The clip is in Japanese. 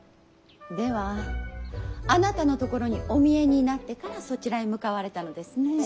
ではあなたのところにお見えになってからそちらへ向かわれたのですね。